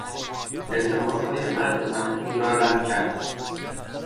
التماسهای مرد محکوم را رد کرد.